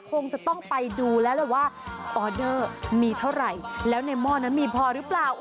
คงจะต้องไปดูแล้วแหละว่าออเดอร์มีเท่าไหร่แล้วในหม้อนั้นมีพอหรือเปล่า